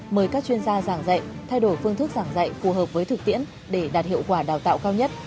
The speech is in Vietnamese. mời các chuyên gia giảng dạy thay đổi phương thức giảng dạy phù hợp với thực tiễn để đạt hiệu quả đào tạo cao nhất